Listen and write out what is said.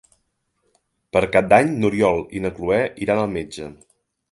Per Cap d'Any n'Oriol i na Cloè iran al metge.